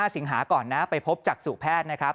สิงหาก่อนนะไปพบจักษุแพทย์นะครับ